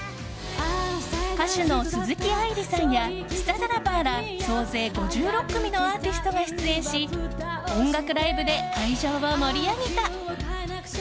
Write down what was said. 歌手の鈴木愛理さんやスチャダラパーら総勢５６組のアーティストが出演し音楽ライブで会場を盛り上げた。